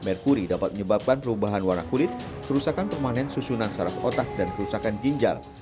merkuri dapat menyebabkan perubahan warna kulit kerusakan permanen susunan sarap otak dan kerusakan ginjal